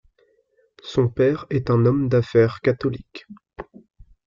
Son père est un homme d'affaires catholique.